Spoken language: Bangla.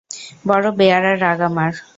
বড় বেয়াড়া রাগ আমার।